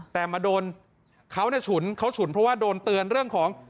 แต่มาโดนเขาฉุนเขาฉุนเพราะว่าโดนเตือนเรื่องของ